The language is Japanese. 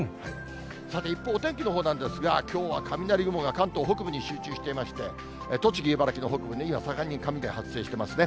さて、一方、お天気のほうなんですが、きょうは雷雲が関東北部に集中していまして、栃木、茨城の北部に今、盛んに雷発生していますね。